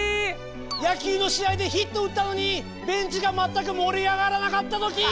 野球の試合でヒットを打ったのにベンチが全く盛り上がらなかったときー！